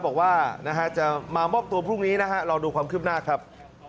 บอกว่าจะมามอบตัวพรุ่งนี้นะฮะลองดูความคืบหน้าครับ